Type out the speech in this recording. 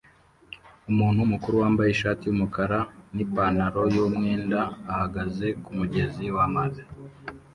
Umuntu mukuru wambaye ishati yumukara nipantaro yumwenda ahagaze kumugezi wamazi